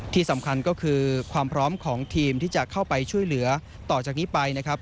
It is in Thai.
ที่สำคัญก็คือความพร้อมของทีมที่จะเข้าไปช่วยเหลือต่อจากนี้ไปนะครับ